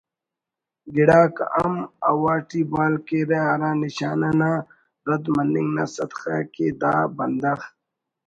گڑاک ہم ہوا ٹی بال کیرہ ہرنشانہ نا رد مننگ نا سدخہ کہ دا بندغ